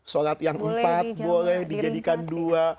sholat yang empat boleh dijadikan dua